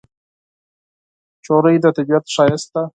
نجلۍ د طبیعت ښایست ده.